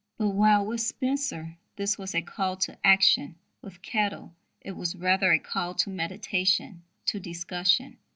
But, while with Spencer this was a call to action, with Kettle it was rather a call to meditation, to discussion.